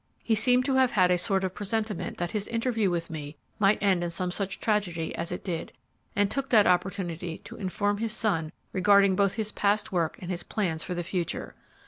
He seemed to have had a sort of presentiment that his interview with me might end in some such tragedy as it did, and took that opportunity to inform his son regarding both his past work and his plans for the future.